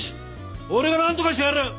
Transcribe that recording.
俺がなんとかしてやる！